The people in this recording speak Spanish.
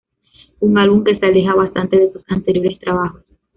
Un álbum que se aleja bastante de sus anteriores trabajos.